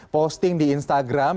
posting di instagram